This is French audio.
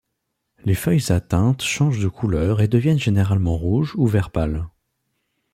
Les feuilles atteintes changent de couleur et deviennent généralement rouges ou vert pâle.